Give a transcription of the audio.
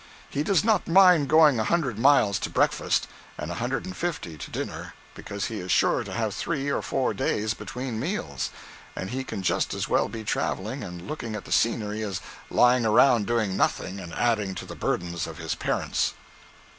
He does not mind going a hundred miles to breakfast, and a hundred and fifty to dinner, because he is sure to have three or four days between meals, and he can just as well be traveling and looking at the scenery as lying around doing nothing and adding to the burdens of his parents.